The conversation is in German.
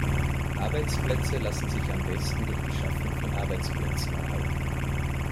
Arbeitsplätze lassen sich am besten durch die Schaffung von Arbeitsplätzen erhalten.